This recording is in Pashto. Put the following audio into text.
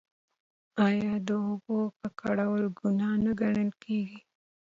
آیا د اوبو ککړول ګناه نه ګڼل کیږي؟